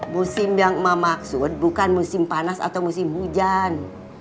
musim yang memaksud bukan musim panas atau musim hujan